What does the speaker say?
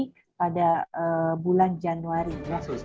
karena pada waktu itu pemerintah mengatakan bahwa kita akan memulai vaksinasi